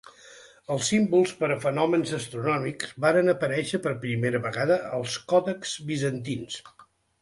Els símbols per a fenòmens astronòmics varen aparéixer per primera vegada als còdexs bizantins.